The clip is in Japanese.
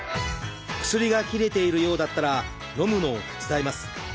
薬が切れているようだったらのむのを手伝います。